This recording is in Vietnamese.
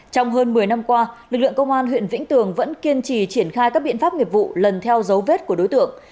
trong hơn một mươi năm qua lực lượng công an huyện vĩnh tường vẫn kiên trì triển khai các biện pháp nghiệp vụ lần theo dấu vết của đối tượng